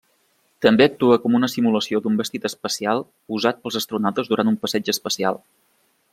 També actua com una simulació d'un vestit espacial usat pels astronautes durant un passeig espacial.